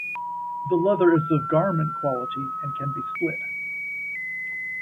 The leather is of garment quality and can be split.